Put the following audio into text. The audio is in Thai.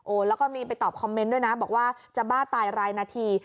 แล้วก็มีไปตอบคอมเมนต์ด้วยนะบอกว่าจะบ้าตายรายนาที